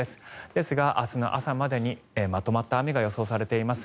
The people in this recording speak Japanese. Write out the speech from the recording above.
ですが、明日の朝までにまとまった雨が予想されています。